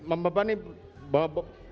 membebani pulau terdakwa untuk membebani